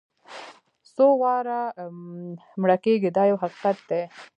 څو واره مړه کېږي دا یو حقیقت دی.